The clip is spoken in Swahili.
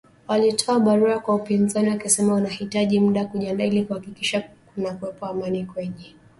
Walitoa barua kwa upinzani wakisema wanahitaji muda kujiandaa ili kuhakikisha kunakuwepo Amani kwenye mkutano huo